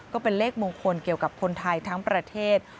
ก็เป็นเลขมงคลเกี่ยวกับคนไทยทั้งประเทศ